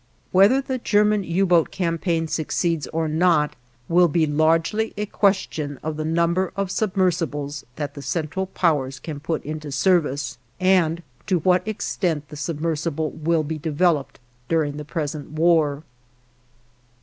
Whether the German U boat campaign succeeds or not will be largely a question of the number of submersibles that the Central Powers can put into service, and to what extent the submersible will be developed during the present war.